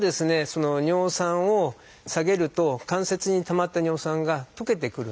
その尿酸を下げると関節にたまった尿酸が溶けてくるんで。